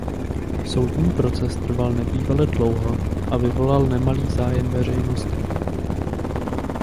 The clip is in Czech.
Soudní proces trval nebývale dlouho a vyvolal nemalý zájem veřejnosti.